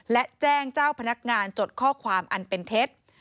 และแจ้งเจ้าพนักงานจดข้อความอันเป็นเท็จ